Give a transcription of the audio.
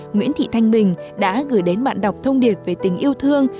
nguyễn thị thanh bình đã gửi đến bạn đọc thông điệp về tình yêu thương